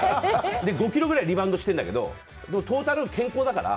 ５ｋｇぐらいリバウンドしてるんだけどトータル健康だから。